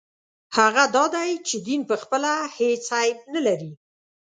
هغه دا دی چې دین پخپله هېڅ عیب نه لري.